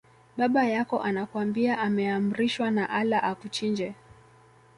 Baba yako anakwambia ameamrishwa na Allah akuchinje